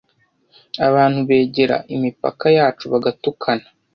abantu begera imipaka yacu bagatukana